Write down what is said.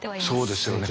そうですよね。